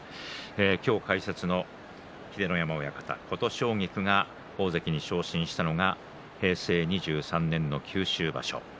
今日解説の秀ノ山親方、琴奨菊が大関に昇進したのが平成２３年九州場所。